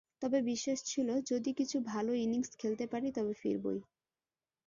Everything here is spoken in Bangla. তবে বিশ্বাস ছিল, যদি কিছু ভালো ইনিংস খেলতে পারি, তবে ফিরবই।